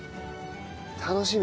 楽しみ。